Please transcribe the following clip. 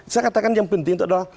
saya katakan yang penting itu adalah